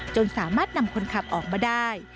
จนสามารถนำคนขับออกมาได้